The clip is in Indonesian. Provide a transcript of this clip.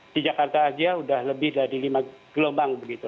di jakarta aja udah lebih dari lima gelombang begitu